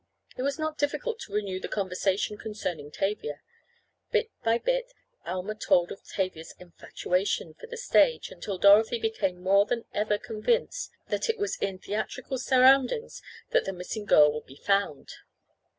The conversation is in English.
It was not difficult to renew the conversation concerning Tavia. Bit by bit Alma told of Tavia's infatuation for the stage, until Dorothy became more than ever convinced that it was in theatrical surroundings that the missing girl would be found.